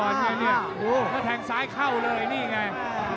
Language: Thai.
นี่ดูแล้วแทงซ้ายเข้าเลยนี่ไง